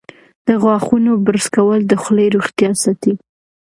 د غاښونو برس کول د خولې روغتیا ساتي.